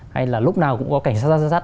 hay là lúc nào cũng có cảnh sát